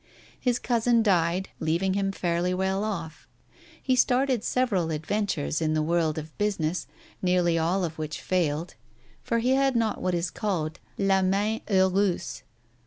His cousin died, leaving him fairly well off. He started several adventures in the world of business, nearly all of which failed, for he had not what is called la main heureuse.